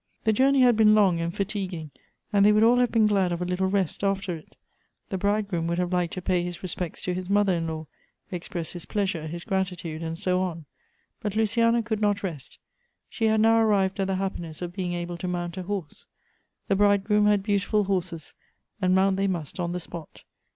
The journey had been long and fatiguing, and they would all have been glad of a little rest after it. The bridegi oom would have liked to pay his respects to his mother in law, express his pleasure, his gratitude, and so on. But Luciana could not rest. She had now arrived at the happiness of being able to mount a horse. The bridegroom had beautiful horses, and mount they must on the spot.